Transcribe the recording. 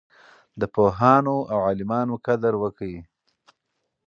د پوهانو او عالمانو قدر وکړئ.